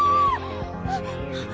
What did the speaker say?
あっ。